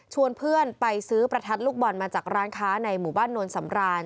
เพื่อนไปซื้อประทัดลูกบอลมาจากร้านค้าในหมู่บ้านนวลสำราน